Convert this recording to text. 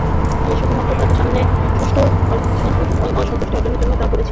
আমি শুধু মাত্র তাঁর মনের সন্তুষ্টি অর্জনের জন্যই তা করেছি।